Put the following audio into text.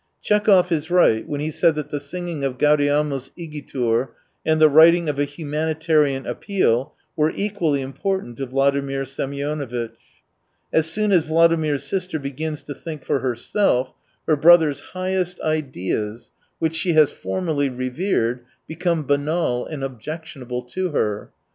Tchekhov is right when he says that the singing of Gaudeamus igitur and the writing of a humanitarian appeal were equally important to Vladimir Semionovitch. As soon as Vladimir's sister begins to think for herself, her brother's highest ideas, H 113 which she has formerly revered, become banal and objectionable to her.